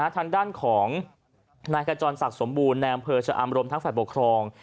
ทางด้านของนายขจรศักดิ์สมบูรณ์ในอำเภอชะอำรมทั้งฝ่ายปกครอง